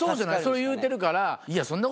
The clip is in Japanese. それ言うてるから。